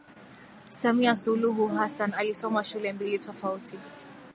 Samia Suluhu Hassan alisoma shule mbili tofauti